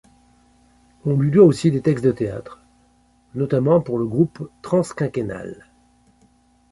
On lui doit aussi des textes de théâtre, notamment pour le groupe Transquinquennal.